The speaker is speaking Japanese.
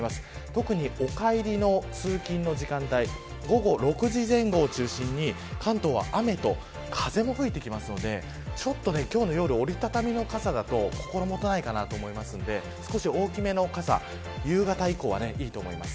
特にお帰りの通勤の時間帯午後６時前後を中心に関東は雨と風も吹いてきますのでちょっと今日の夜、折り畳みの傘だと心もとないかなと思いますので少し大きめの傘夕方以降はいいと思います。